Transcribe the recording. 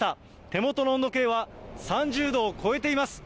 手元の温度計は３０度を超えています。